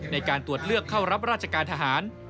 ในการตรวจเลือกเข้ารับราชการทหาร